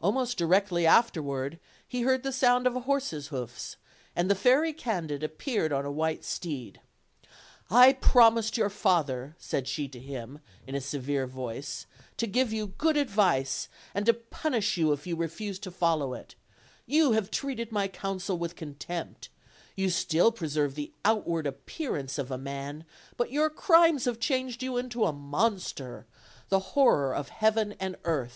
Almost directly afterward, he heard the sound of a horse's hoofs, and the Fairy Candid appeared on a white steed: "I promised your father," said she to him, in a severe voice, "to give you good advice, and to punish you if you refused to follow it; you have treated my counsel with contempt; you still preserve the outward appearance of a man, but your crimes have changed you into a monster, the horror of earth and of heaven.